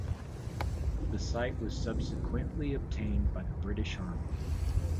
The site was subsequently obtained by the British Army.